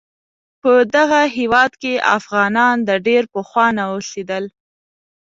په دغه هیواد کې افغانان د ډیر پخوانه اوسیدل